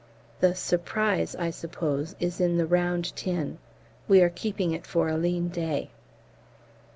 The "Surprise," I suppose, is in the round tin. We are keeping it for a lean day.